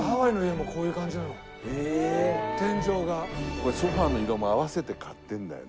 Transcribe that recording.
これソファの色も合わせて買ってんだよね